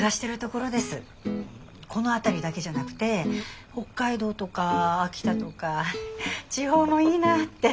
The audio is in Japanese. この辺りだけじゃなくて北海道とか秋田とか地方もいいなって。